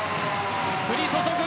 降り注ぐ